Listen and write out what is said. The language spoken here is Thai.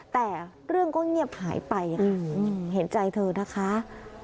แต่เรื่องก็เงียบหายไปค่ะเห็นใจเธอนะคะ